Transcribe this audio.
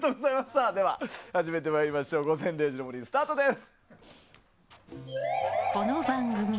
では初めてまいりましょう「午前０時の森」スタートです。